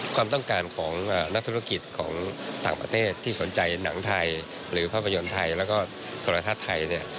ความต้องการของนักธุรกิจของต่างประเทศที่สนใจหนังไทยหรือภาพยนตร์ไทยแล้วก็โทรทัศน์ไทย